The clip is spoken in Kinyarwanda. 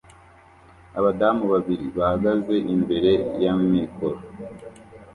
abadamu babiri bahagaze imbere ya mikoro